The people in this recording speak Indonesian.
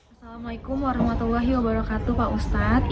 assalamualaikum warahmatullahi wabarakatuh pak ustadz